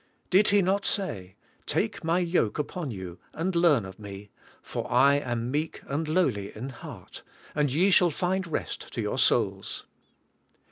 Did He not say; "Take my yoke upon you and learn of Me, for I am meek and lowly in heart, and ye shall find rest to your souls."